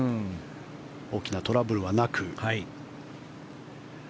大きなトラブルはなく。